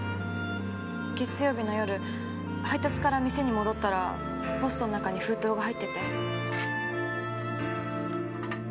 月曜日の夜配達から店に戻ったらポストの中に封筒が入ってて。